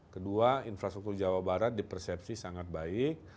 kedua infrastruktur jawa barat di persepsi sangat baik